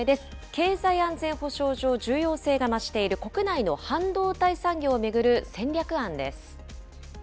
経済安全保障上、重要性が増している国内の半導体産業を巡る戦略案です。